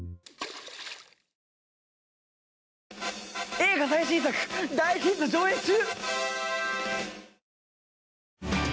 映画最新作大ヒット上映中！